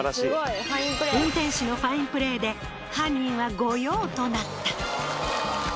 運転手のファインプレーで犯人は御用となった。